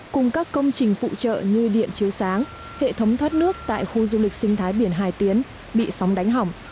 cùng các công trình phụ trợ như điện chiếu sáng hệ thống thoát nước tại khu du lịch sinh thái biển hải tiến bị sóng đánh hỏng